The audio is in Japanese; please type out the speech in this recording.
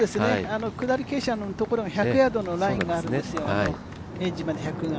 下り傾斜のところが１００ヤードのところがあるんですよ、エッジまでが。